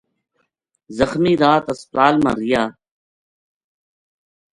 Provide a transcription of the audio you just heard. زخمی رات ہسپتال ما رہیا